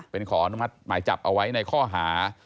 เป็นขออนุมัติหมายจับเอาไว้ในข้อหา